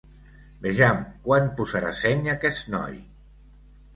Vejam quan posarà seny, aquest noi!